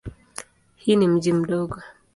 Hii ni mji mdogo.